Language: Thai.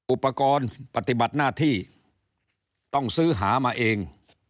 อุปกรณ์ปฏิบัติหน้าที่ต้องซื้อหามาเอง